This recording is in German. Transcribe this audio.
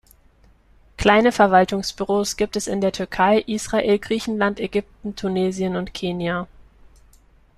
Kleine Verwaltungsbüros gibt es in der Türkei, Israel, Griechenland, Ägypten, Tunesien und Kenia.